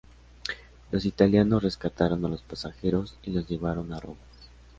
Los italianos rescataron a los pasajeros y los llevaron a Rodas.